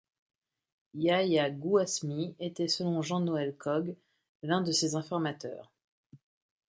Yahia Gouasmi était selon Jean-Noël Coghe l'un de ses informateurs.